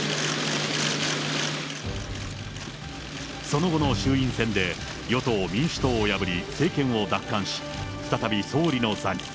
その後の衆院選で与党・民主党を破り、政権を奪還し、再び総理の座に。